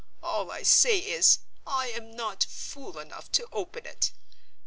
All I say is, I am not fool enough to open it.